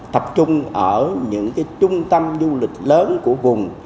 tập trung ở những trung tâm du lịch lớn của vùng